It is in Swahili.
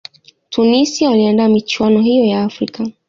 tunisia waliandaa michuano hiyo ya afrika